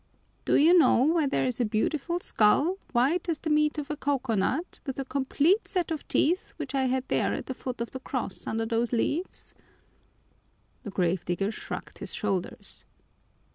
"Do you know where there is a beautiful skull, white as the meat of a coconut, with a complete set of teeth, which I had there at the foot of the cross under those leaves?" The grave digger shrugged his shoulders.